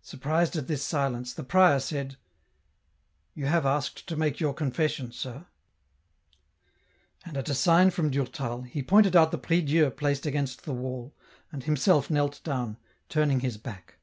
Surprised at this silence, the prior said, —*' You have asked to make your confession, sir ?" And at a sign from Durtal, he pointed out the prie Dieu placed against the wall, and himself knelt down, turning his back.